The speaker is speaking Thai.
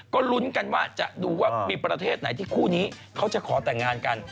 ก็ลุ้นกันว่าจะดูว่ามีประเทศไหนที่คู่นี้เขาจะขอแต่งงานกัน